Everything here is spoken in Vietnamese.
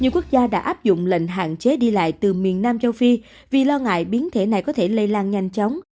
nhiều quốc gia đã áp dụng lệnh hạn chế đi lại từ miền nam châu phi vì lo ngại biến thể này có thể lây lan nhanh chóng